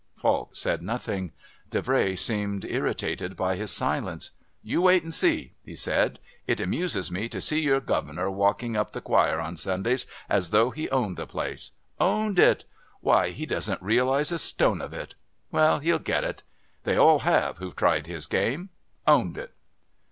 Falk said nothing. Davray seemed irritated by his silence. "You wait and see," he said. "It amuses me to see your governor walking up the choir on Sundays as though he owned the place. Owned it! Why, he doesn't realise a stone of it! Well, he'll get it. They all have who've tried his game. Owned it!"